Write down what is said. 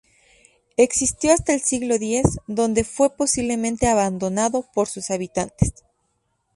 Existió hasta el siglo X, donde fue posiblemente abandonado por sus habitantes.